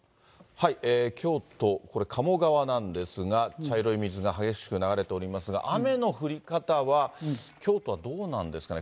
京都、これかも川なんですが、茶色い水が激しく流れておりますが、雨の降り方は、京都はどうなんですかね。